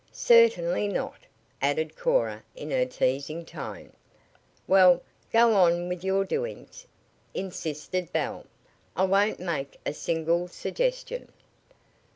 "Cer tain ly not," added Cora in a teasing tone. "Well, go on with your `doings,'" insisted Belle. "I won't make a single suggestion."